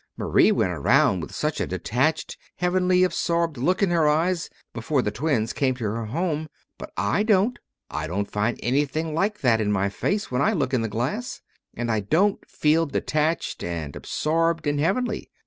Marie went around with such a detached, heavenly, absorbed look in her eyes, before the twins came to her home. But I don't. I don't find anything like that in my face, when I look in the glass. And I don't feel detached and absorbed and heavenly.